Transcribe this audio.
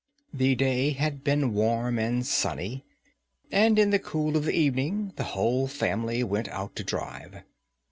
The day had been warm and sunny; and, in the cool of the evening, the whole family went out to drive.